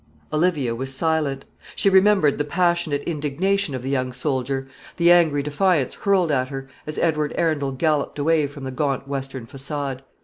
Olivia was silent. She remembered the passionate indignation of the young soldier, the angry defiance hurled at her, as Edward Arundel galloped away from the gaunt western façade.